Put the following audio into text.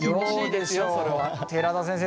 寺田先生